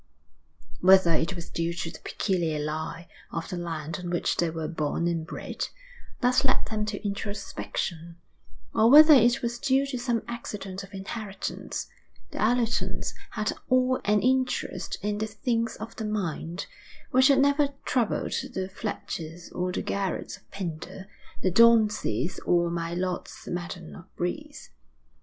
Whether it was due to the peculiar lie of the land on which they were born and bred, that led them to introspection, or whether it was due to some accident of inheritance, the Allertons had all an interest in the things of the mind, which had never troubled the Fletchers or the Garrods of Penda, the Daunceys or my lords Madden of Brise.